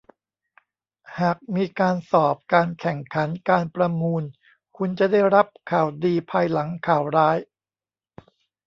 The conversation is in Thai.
หากมีการสอบ การแข่งขัน การประมูล คุณจะได้รับข่าวดีภายหลังข่าวร้าย